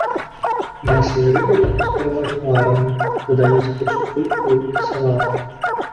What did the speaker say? Мяса і рыбу ядуць пераважна варанымі, дадаюць іх у супы, поліўкі і салаты.